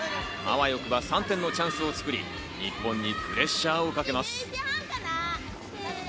あわよくば３点のチャンスを作り、日本にプレッシャーをかけます。